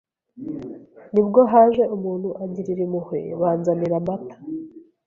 nibwo haje umuntu angirira impuhwe banzanira amata